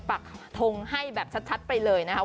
ปักทงให้แบบชัดไปเลยนะคะ